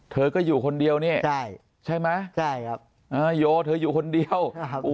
เธอก็อยู่คนเดียวนี่ใช่ครับโย่เธออยู่คนเดียว